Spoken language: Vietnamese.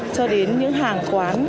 cho đến những hàng quán